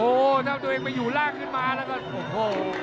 โอ้โหถ้าตัวเองไปอยู่ล่างขึ้นมาแล้วก็โอ้โห